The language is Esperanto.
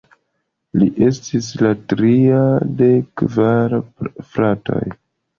Li estis la tria de kvar fratoj.